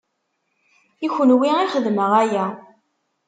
I kenwi i xedmeɣ aya.